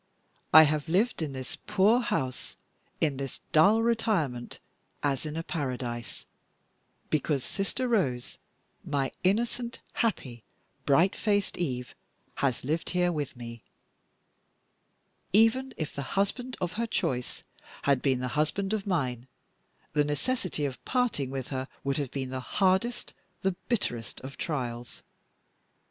I have lived in this poor house, in this dull retirement, as in a paradise, because Sister Rose my innocent, happy, bright faced Eve has lived here with me. Even if the husband of her choice had been the husband of mine, the necessity of parting with her would have been the hardest, the bitterest of trials.